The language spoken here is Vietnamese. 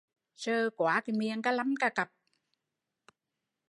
Sợ quá miệng cà lăm cà cặp